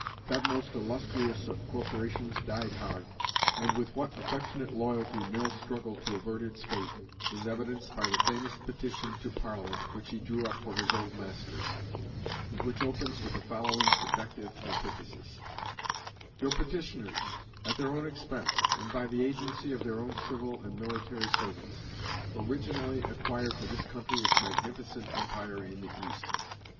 That most illustrious of corporations died hard; and with what affectionate loyalty Mill struggled to avert its fate is evidenced by the famous Petition to Parliament which he drew up for his old masters, and which opens with the following effective antithesis: "Your petitioners, at their own expense, and by the agency of their own civil and military servants, originally acquired for this country its magnificent empire in the East.